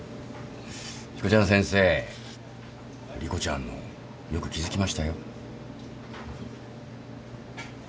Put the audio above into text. しこちゃん先生莉子ちゃんのよく気付きましたよ。